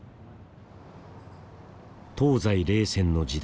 東西冷戦の時代